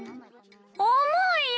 重いよ！